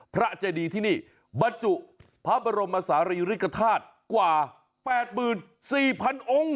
พระเจดีที่นี่บัจจุพระบรมสารยฤษฎาชกว่า๘๔๐๐๐องค์